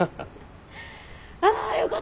あよかった！